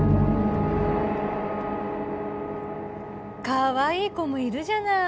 かわいい子もいるじゃない！